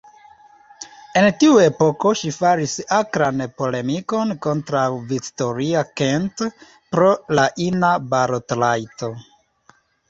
En tiu epoko ŝi faris akran polemikon kontraŭ Victoria Kent pro la ina balotrajto.